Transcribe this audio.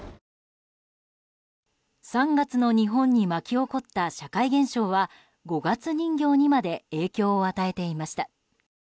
３月の日本に巻き起こった社会現象は五月人形にまで影響を与えていました。